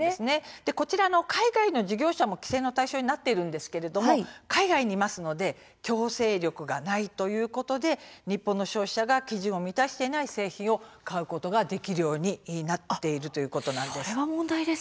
海外の事業者も規制の対象になるんですが海外にいるので強制力がないということで日本の消費者が基準を満たしていない製品を買うことができるようになっているということなんです。